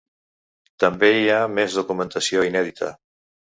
També hi ha més documentació inèdita.